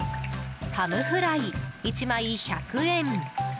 ハムフライ、１枚１００円。